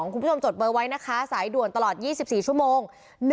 คุณผู้ชมจดเบอร์ไว้นะคะสายด่วนตลอด๒๔ชั่วโมง๑๑๙๗